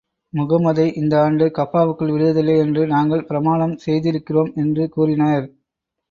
முஹம்மதை இந்த ஆண்டு கஃபாவுக்குள் விடுவதில்லை என்று நாங்கள் பிரமாணம் செய்திருக்கிறோம் என்று கூறினர்.